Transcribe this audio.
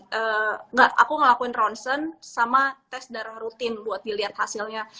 enggak aku ngelakuin ronsen sama tes darah rutin buat dilihat hasilnya